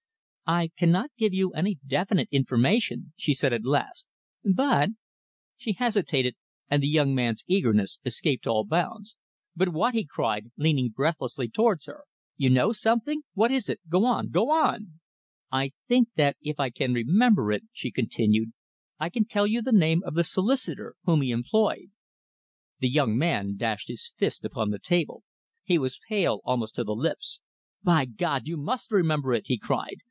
"I cannot give you any definite information," she said at last, "but " She hesitated, and the young man's eagerness escaped all bounds. "But what?" he cried, leaning breathlessly towards her. "You know something! What is it? Go on! Go on!" "I think that if I can remember it," she continued, "I can tell you the name of the solicitor whom he employed." The young man dashed his fist upon the table. He was pale almost to the lips. "By God! you must remember it," he cried.